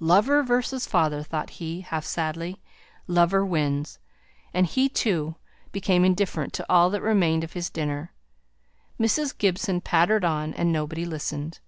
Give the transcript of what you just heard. "Lover versus father!" thought he, half sadly. "Lover wins." And he, too, became indifferent to all that remained of his dinner. Mrs. Gibson pattered on; and nobody listened.